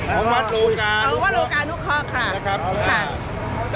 ของวัดโลกาวัดโลกานุครองค์ค่ะครับจะเป็นการทำให้ข้าวต้ม